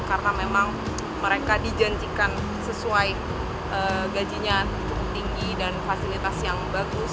karena memang mereka dijanjikan sesuai gajinya cukup tinggi dan fasilitas yang bagus